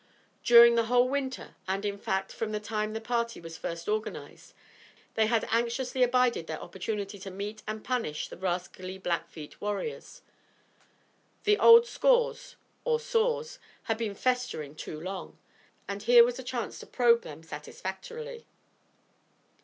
During the whole winter, and, in fact, from the time the party was first organized, they had anxiously abided their opportunity to meet and punish the rascally Blackfeet warriors. The old scores, or sores, had been festering too long, and here was a chance to probe them satisfactorily.